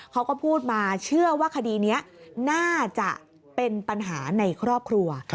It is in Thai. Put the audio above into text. เขาก็พูดมาเชื่อว่าคดีนี้น่าจะเป็นปัญหาในครอบครัว